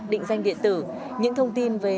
định danh điện tử những thông tin về